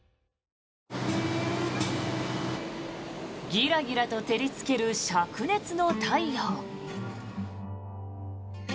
ぎらぎらと照りつけるしゃく熱の太陽。